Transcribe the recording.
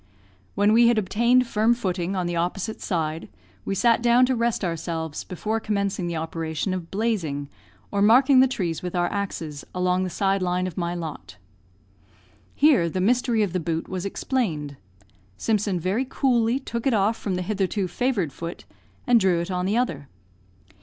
When we had obtained firm footing on the opposite side, we sat down to rest ourselves before commencing the operation of "blazing," or marking the trees with our axes, along the side line of my lot. Here the mystery of the boot was explained. Simpson very coolly took it off from the hitherto favoured foot, and drew it on the other.